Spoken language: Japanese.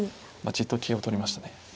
じっと桂を取りましたね。